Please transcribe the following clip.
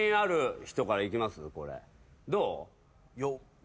どう？